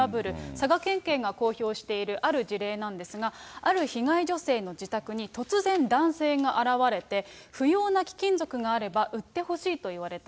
佐賀県警が公表しているある事例なんですが、ある被害女性の自宅に突然男性が現れて、不要な貴金属があれば売ってほしいと言われた。